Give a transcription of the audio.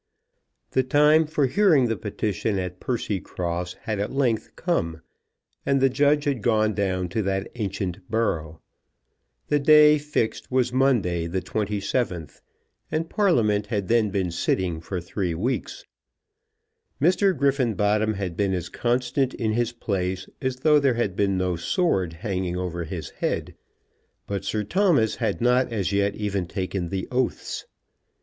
The time for hearing the petition at Percycross had at length come, and the judge had gone down to that ancient borough. The day fixed was Monday, the 27th, and Parliament had then been sitting for three weeks. Mr. Griffenbottom had been as constant in his place as though there had been no sword hanging over his head; but Sir Thomas had not as yet even taken the oaths.